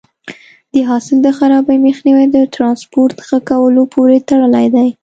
د حاصل د خرابي مخنیوی د ټرانسپورټ ښه کولو پورې تړلی دی.